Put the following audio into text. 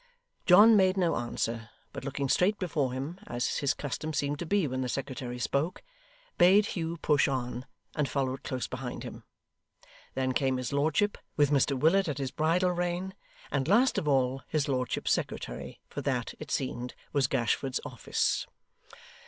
John made no answer, but looking straight before him, as his custom seemed to be when the secretary spoke, bade Hugh push on, and followed close behind him. Then came his lordship, with Mr Willet at his bridle rein; and, last of all, his lordship's secretary for that, it seemed, was Gashford's office.